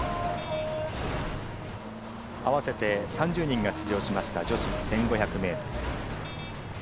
合わせて３０人が出場しました、女子１５００ｍ。